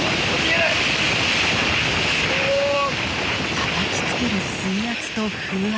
たたきつける水圧と風圧。